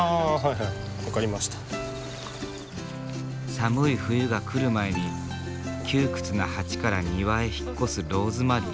寒い冬が来る前に窮屈な鉢から庭へ引っ越すローズマリー。